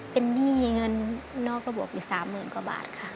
เป็นหนี้เงินนอกระบบอยู่๓๐๐๐กว่าบาทค่ะ